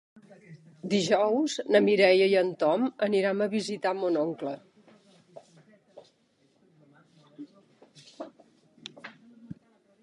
Dijous na Mireia i en Tom aniran a visitar mon oncle.